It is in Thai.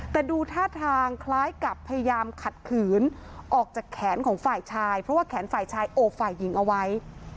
แต่ดูท่าทางคล้ายกับพยายามขัดขืนออกจากแขนของฝ่ายชายเพราะว่าแขนฝ่ายชายโอบฝ่ายหญิงเอาไว้